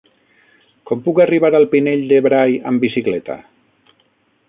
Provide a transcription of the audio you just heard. Com puc arribar al Pinell de Brai amb bicicleta?